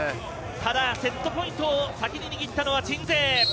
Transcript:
ただ、セットポイントを先に握ったのは鎮西。